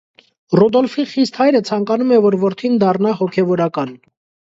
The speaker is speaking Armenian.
Ռուդոլֆի խիստ հայրը ցանկանում է, որ որդին դառնա հոգևորական։